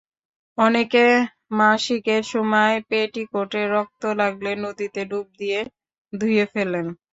অনেকে মাসিকের সময় পেটিকোটে রক্ত লাগলে নদীতে ডুব দিয়ে ধুয়ে ফেলেন।